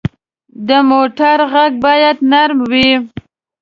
د موټر غږ باید نرم وي.